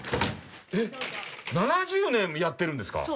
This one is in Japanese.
えっ７０年やってるんですか！？